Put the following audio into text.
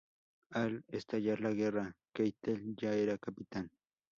Al estallar la guerra, Keitel ya era capitán.